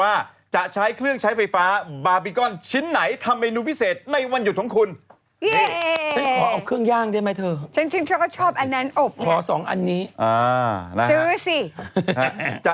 เอาใจแฟนข่าวใส่ไข่นะครับง่ายเพียงร่วมสนุกนะฮะ